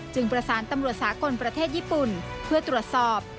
ประสานตำรวจสากลประเทศญี่ปุ่นเพื่อตรวจสอบ